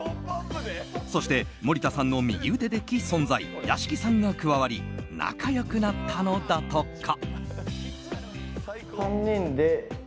そして、森田さんの右腕的存在屋敷さんが加わり仲良くなったのだとか。